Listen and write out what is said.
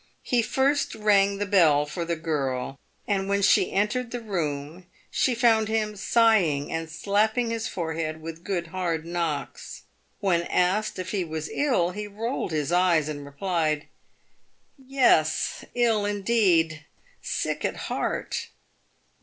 He first rang the bell for the girl, and when she entered the room she found him sighing and slapping his forehead with good hard knocks. "When asked if he was ill, he rolled his eyes, and replied, "Yes, ill indeed — sick at heart!"